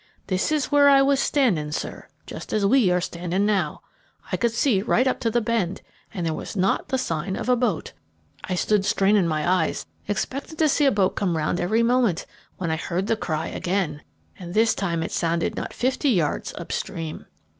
This is where I was standing, sir, just as we are standing now. I could see right up to the bend, and there was not the sign of a boat. I stood straining my eyes, expecting to see a boat come round every moment, when I heard the cry again, and this time it sounded not fifty yards up stream.